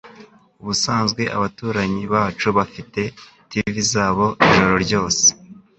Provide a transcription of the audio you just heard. Ubusanzwe abaturanyi bacu bafite TV zabo ijoro ryose.